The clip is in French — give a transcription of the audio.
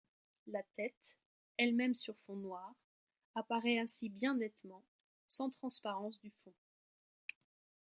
La tête, elle-même sur fond noir, apparaît ainsi bien nettement, sans transparence du fond.